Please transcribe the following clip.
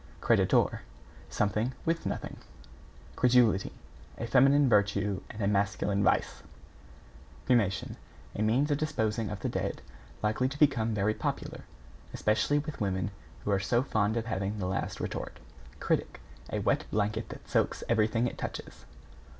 =CREDITOR= Something with nothing. =CREDULITY= A feminine virtue and a masculine vice. =CREMATION= A means of disposing of the dead likely to become very popular, especially with women who are so fond of having the last retort. =CRITIC= A wet blanket that soaks everything it touches.